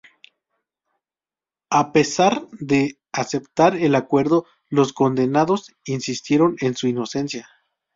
A pesar de aceptar el acuerdo, los condenados insistieron en su inocencia.